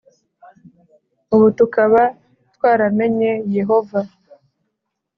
ubu tukaba twaramenye Yehova